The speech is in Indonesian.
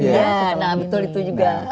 iya nah betul itu juga